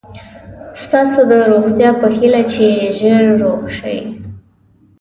ستاسو د روغتیا په هیله چې ژر روغ شئ.